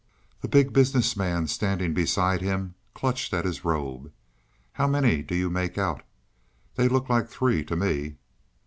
The Big Business Man, standing beside him, clutched at his robe. "How many do you make out; they look like three to me."